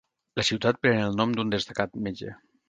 La ciutat pren el nom d'un destacat metge.